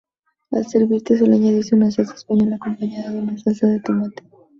Al servirse suele añadirse una salsa española acompañada de una salsa de tomate.